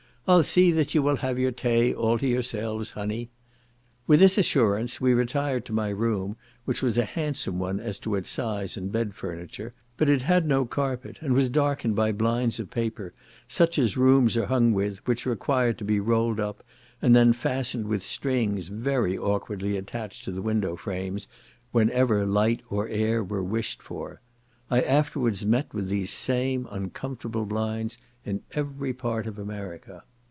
I'll see you will have your tay all to yourselves, honey." With this assurance we retired to my room, which was a handsome one as to its size and bed furniture, but it had no carpet, and was darkened by blinds of paper, such as rooms are hung with, which required to be rolled up, and then fastened with strings very awkwardly attached to the window frames, whenever light or air were wished for. I afterwards met with these same uncomfortable blinds in every part of America.